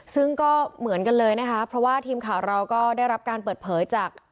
ซึ่งก็เหมือนกันเลยนะคะเพราะว่าทีมข่าวเราก็ได้รับการเปิดเผยจาก